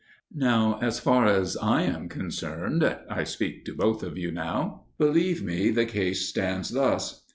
Now, as far as I am concerned (I speak to both of you now), believe me the case stands thus.